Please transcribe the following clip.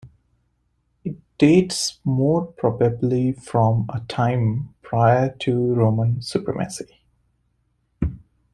It dates more probably from a time prior to Roman supremacy.